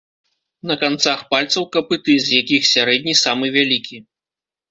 На канцах пальцаў капыты, з якіх сярэдні самы вялікі.